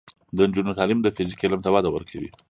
د نجونو تعلیم د فزیک علم ته وده ورکوي.